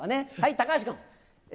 高橋君。